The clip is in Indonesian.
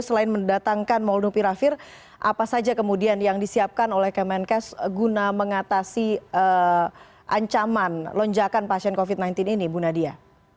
selain mendatangkan molnupiravir apa saja kemudian yang disiapkan oleh kemenkes guna mengatasi ancaman lonjakan pasien covid sembilan belas ini bu nadia